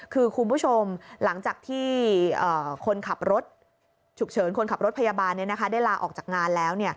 คือคุณผู้ชมหลังจากที่คนขับรถฉุกเฉินคนขับรถพยาบาลได้ลาออกจากงานแล้ว